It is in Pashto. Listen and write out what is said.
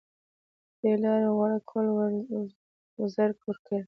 دې لارې غوره کول وزر ورکړي